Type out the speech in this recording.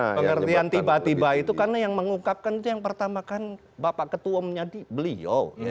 ya karena mengerti yang tiba tiba itu karena yang mengungkapkan itu yang pertama kan bapak ketua menjadi beliau